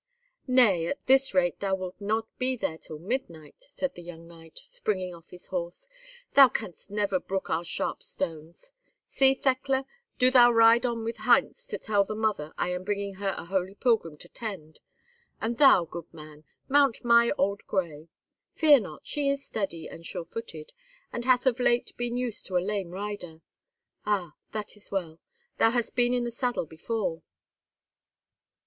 "Nay, at this rate thou wilt not be there till midnight," said the young knight, springing off his horse; "thou canst never brook our sharp stones! See, Thekla, do thou ride on with Heinz to tell the mother I am bringing her a holy pilgrim to tend. And thou, good man, mount my old gray. Fear not; she is steady and sure footed, and hath of late been used to a lame rider. Ah! that is well. Thou hast been in the saddle before."